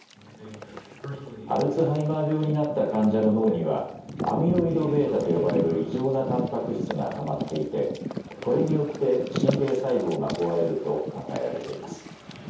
アルツハイマー病になった患者の脳にはアミロイドβと呼ばれる異常なたんぱく質がたまっていてこれによって神経細胞が壊れると考えられています。